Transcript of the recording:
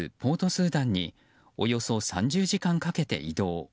スーダンにおよそ３０時間かけて移動。